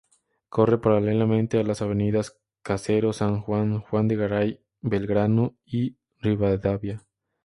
Corre paralelamente a las avenidas Caseros, San Juan; Juan de Garay, Belgrano y Rivadavia.